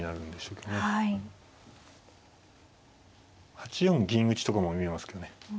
８四銀打ちとかも見えますけどね。